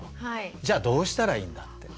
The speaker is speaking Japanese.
じゃあどうしたらいいんだって。